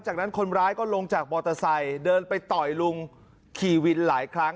จากนั้นคนร้ายก็ลงจากมอเตอร์ไซค์เดินไปต่อยลุงขี่วินหลายครั้ง